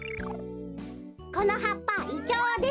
このはっぱイチョウです。